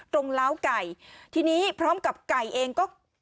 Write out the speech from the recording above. กล้าวไก่ทีนี้พร้อมกับไก่เองก็